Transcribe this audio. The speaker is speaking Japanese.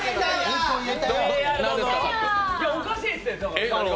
いやおかしいですよ！